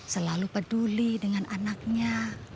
selalu peduli dengan anaknya